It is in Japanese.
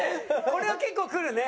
これは結構くるね？